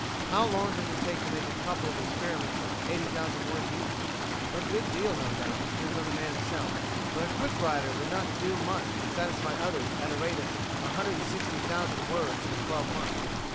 How long does it take to make a couple of experiments of 80,000 words each? A good deal, no doubt, depends on the man himself, but a quick writer would not do much to satisfy others at the rate of 160,000 words in twelve months.